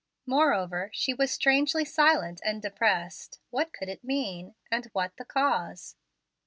Moreover, she was strangely silent and depressed. What could it mean? and what the cause?